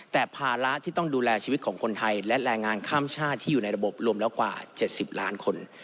แต่ภาระที่ต้องดูแลชีวิตของคนไทยและแรงงานข้ามชาติที่อยู่ในระบบรวมแล้วกว่า๗๐ล้านคน